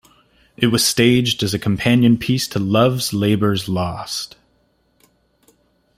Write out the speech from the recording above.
It was staged as a companion piece to "Love's Labour's Lost".